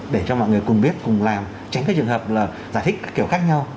để cho mọi người cùng biết cùng làm tránh cái trường hợp là giải thích kiểu khác nhau